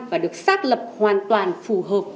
và được xác lập hoàn toàn phù hợp